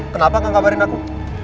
kenapa nggak ngabarin aku